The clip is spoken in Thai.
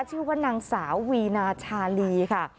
ชื่อว่านางสาววีนาชาลีค่ะ